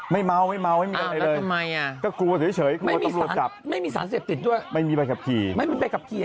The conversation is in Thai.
ไม่เมาไม่มีอะไรเลยอย่างงี้ก็กลัวแบบเฉยกลัวตำรวจคับไม่มีไปกับขี่